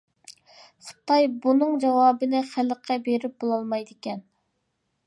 خىتاي بۇنىڭ جاۋابىنى خەلقىگە بېرىپ بولالمايدىكەن.